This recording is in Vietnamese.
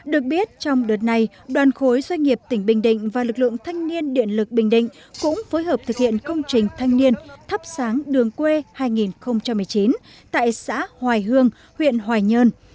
được biết trong đợt này đoàn khối doanh nghiệp tỉnh bình định và lực lượng thanh niên điện lực bình định cũng phối hợp thực hiện công trình thanh niên thắp sáng đường quê hai nghìn một mươi chín tại xã hoài hương huyện hoài nhơn